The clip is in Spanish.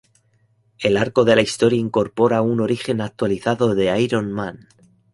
El arco de la historia incorpora un origen actualizado de Iron Man.